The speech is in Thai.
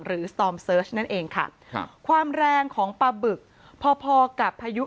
หรือสตอร์มเซิร์ชนั่นเองค่ะความแรงของปลาบึกพอกับพายุ